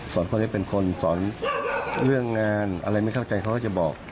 คนนี้เป็นคนสอนเรื่องงานอะไรไม่เข้าใจเขาก็จะบอก